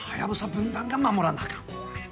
分団が守らなあかん。